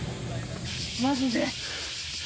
マジで。